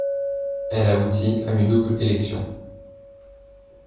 Elle aboutit à une double élection.